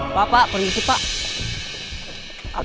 apa pak permisi pak